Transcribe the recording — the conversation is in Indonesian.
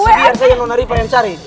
kasih biar saya yang nona riva yang cari